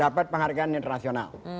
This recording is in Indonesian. dapat penghargaan internasional